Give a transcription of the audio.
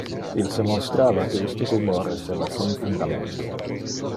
Il se monstrava que iste rumor esseva sin fundamento.